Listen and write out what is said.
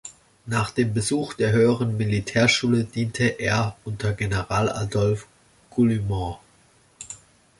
Nach dem Besuch der höheren Militärschule diente er unter General Adolphe Guillaumat.